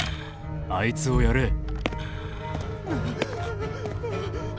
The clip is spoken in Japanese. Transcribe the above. あいつをやれ。